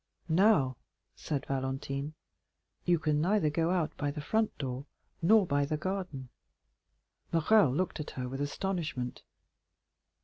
"Now," said Valentine, "you can neither go out by the front door nor by the garden." Morrel looked at her with astonishment.